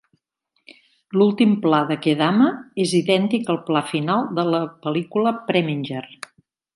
L'últim pla de "Kedama" és idèntic al pla final de la pel·lícula Preminger.